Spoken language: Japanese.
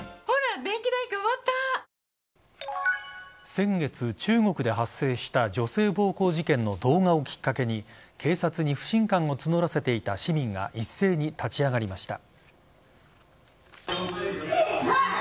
先月、中国で発生した女性暴行事件の動画をきっかけに警察に不信感を募らせていた市民が一斉に立ち上がりました。